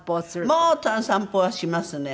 もう散歩はしますね。